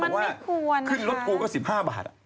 เพราะว่าขึ้นรถก็๑๕บาท